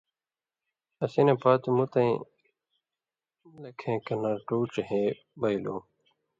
اسی نہ پاتُو مُتیں لیکھیۡ کَنارٹو ڇِہېں بَیلوۡ۔